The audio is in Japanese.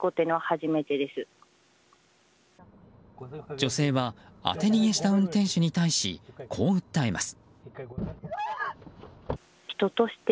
女性は当て逃げした運転手に対しこう訴えます。